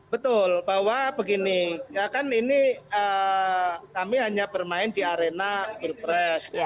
betul bahwa begini ya kan ini kami hanya bermain di arena pilpres